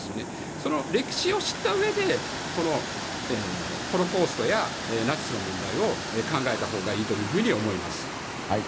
その歴史を知ったうえでホロコーストやナチスの問題を考えたほうがいいというふうに思います。